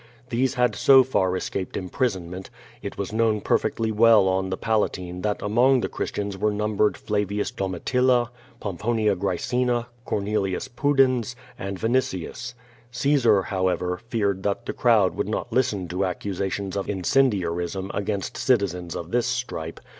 These had so far escaped imprisonment. It was known perfectly well on QUO VADIS, 381 ihe Palatine that among the Christians were niunhorocl Fla vins Domitilla, Poniiwnia Graecina, Conu'llus rudons, and X'initins. Caesar, however, feared that llie crowd would not listen to accusations of incendiarism against cilizeus of this slrii)e.